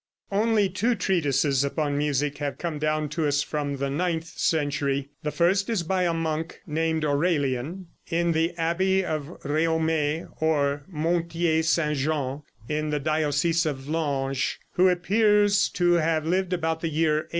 _") Only two treatises upon music have come down to us from the ninth century. The first is by a monk, named Aurelian, in the abbey of Réomé or Montier Saint Jean, in the diocese of Langes, who appears to have lived about the year 850.